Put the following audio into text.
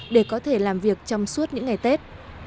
để có thể làm việc trong suốt những ngày tết